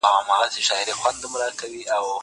زه اوږده وخت ليک لولم وم!!